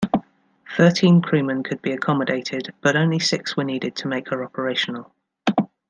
Thirteen crewmen could be accommodated, but only six were needed to make her operational.